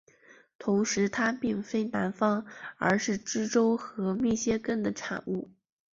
同时它并非南方而是加州和密歇根的产物。